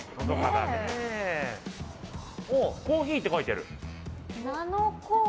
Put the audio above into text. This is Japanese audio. コーヒーって書いてある。